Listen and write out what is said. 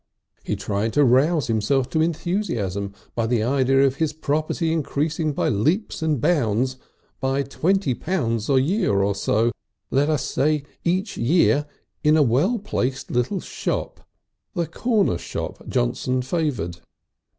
He tried to rouse himself to enthusiasm by the idea of his property increasing by leaps and bounds, by twenty pounds a year or so, let us say, each year, in a well placed little shop, the corner shop Johnson favoured.